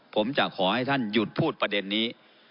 ผมจะขอให้ท่านหยุดพูดประเด็นนี้